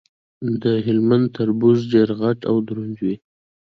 د هلمند تربوز ډیر غټ او دروند وي.